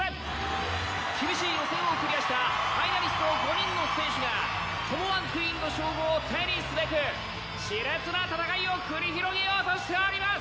厳しい予選をクリアしたファイナリスト５人の選手が友１クイーンの称号を手にすべく熾烈な戦いを繰り広げようとしております！